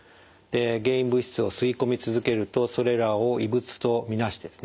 原因物質を吸い込み続けるとそれらを異物と見なしてですね